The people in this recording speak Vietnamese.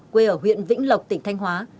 quê ở huyện vĩnh lộc tỉnh thanh hóa